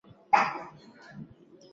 Nataka kupata chanjo ya ugonjwa huu